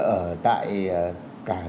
ở tại cả nước